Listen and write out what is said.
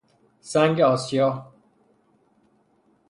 سنگ آسیای